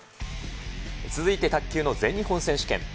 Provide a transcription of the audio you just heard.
続いて卓球の全日本選手権。